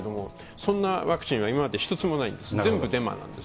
そんなワクチンは今まで一つもないんです。